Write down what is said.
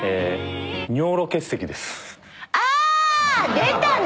出たね。